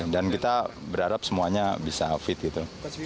dan kita berharap semuanya bisa fit gitu